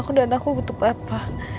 aku dan aku butuh apa